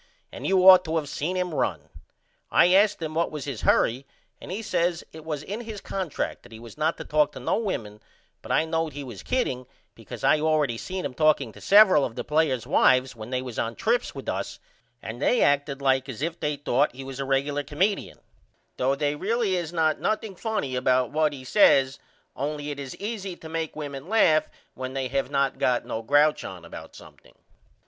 And you ought to of seen him run. I asked him what was his hurry and he says it was in his contract that he was not to talk to no women but I knowed he was kidding because I allready seen him talking to severel of the players' wifes when they was on trips with us and they acted like as if they thought he was a regular comeedion though they really is not nothing funny about what he says only it is easy to make women laugh when they have not got no grouch on about something.